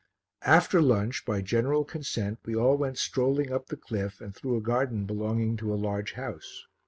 After lunch by general consent we all went strolling up the cliff and through a garden belonging to a large house.